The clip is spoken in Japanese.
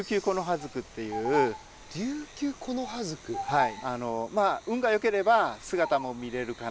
はい！